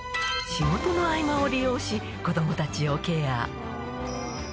仕事の合間を利用し、子どもたちをケア。